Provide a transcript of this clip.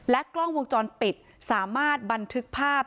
กล้องวงจรปิดสามารถบันทึกภาพ